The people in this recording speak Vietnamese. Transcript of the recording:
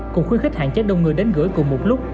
cũng khuyến khích hạn chế đông người đến gửi cùng một lúc